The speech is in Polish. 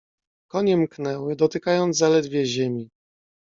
"Konie mknęły, dotykając zaledwie ziemi."